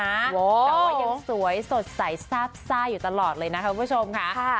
แต่ว่ายังสวยสดใสซาบซ่าอยู่ตลอดเลยนะคะคุณผู้ชมค่ะ